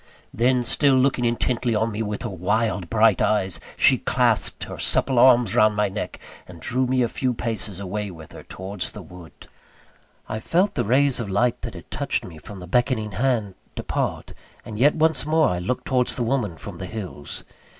Then, still looking intently on me with her wild bright eyes, she clasped her supple arms round my neck, and drew me a few paces away with her towards the wood. I felt the rays of light that had touched me from the beckoning hand, depart; and yet once more I looked towards the woman from the hills.